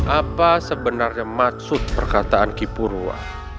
apa sebenarnya maksud perkataan ki purwa